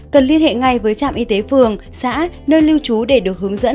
cần liên hệ ngay với trạm y tế phường xã nơi lưu trú để được hướng dẫn